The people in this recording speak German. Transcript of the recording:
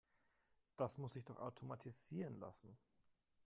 Das muss sich doch automatisieren lassen.